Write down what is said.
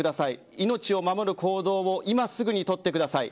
命を守る行動を今すぐに取ってください。